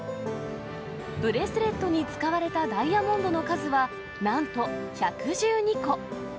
ブレスレットに使われたダイヤモンドの数は、なんと１１２個。